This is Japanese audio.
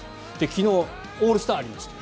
昨日、オールスターありました。